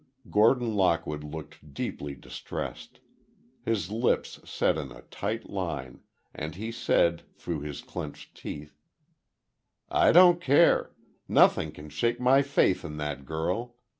Gordon Lockwood looked deeply distressed. His lips set in a tight line, and he said, through his clenched teeth: "I don't care! Nothing can shake my faith in that girl!